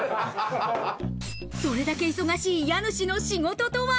それだけ忙しい家主の仕事とは？